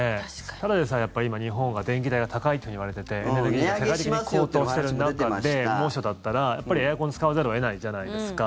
ただでさえやっぱり今、日本は電気代が高いというふうにいわれていてエネルギーが世界的に高騰している中で猛暑だったらやっぱりエアコン使わざるを得ないじゃないですか。